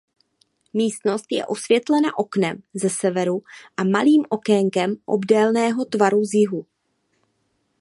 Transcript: Místnost je osvětlena oknem ze severu a malým okénkem obdélného tvaru z jihu.